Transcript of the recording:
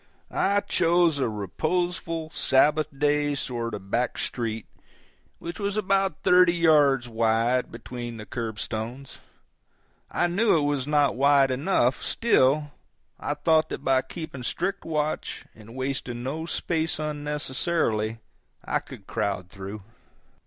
I chose a reposeful Sabbath day sort of a back street which was about thirty yards wide between the curbstones. I knew it was not wide enough; still, I thought that by keeping strict watch and wasting no space unnecessarily I could crowd through.